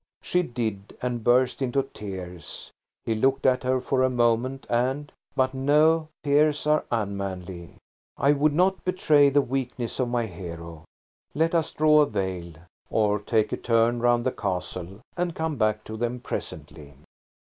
She did, and burst into tears. He looked at her for a moment and–but no–tears are unmanly. I would not betray the weakness of my hero. Let us draw a veil, or take a turn round the castle and come back to them presently.